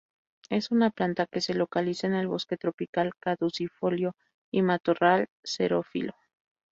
Es una planta que se localiza en el Bosque tropical caducifolio y matorral xerófilo.